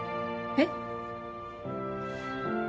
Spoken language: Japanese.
えっ？